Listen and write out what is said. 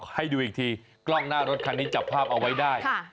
ให้ดูอีกทีกล้องหน้ารถคันนี้จับภาพเอาไว้ได้